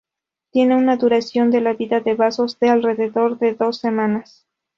Tiene una duración de la vida de los vasos de alrededor de dos semanas.